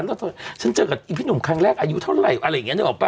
ก็จะเจอกับพี่หนุ่มครั้งแรกอายุเท่าไหร่อะไรอย่างนี้นะรู้ป่ะ